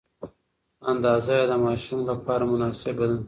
اندازه یې د ماشوم لپاره مناسبه ده.